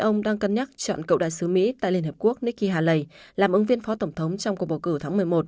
ông đang cân nhắc chọn cựu đại sứ mỹ tại liên hợp quốc nikki haley làm ứng viên phó tổng thống trong cuộc bầu cử tháng một mươi một